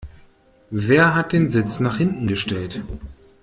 Wer hat den Sitz nach hinten gestellt?